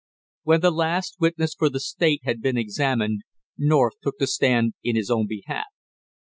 When the last witness for the state had been examined, North took the stand in his own behalf.